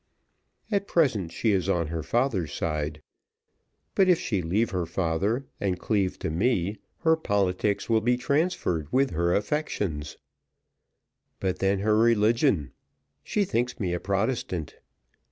At present, she is on her father's side; but if she leave her father and cleave to me, her politics will be transferred with her affections. But then her religion. She thinks me a Protestant.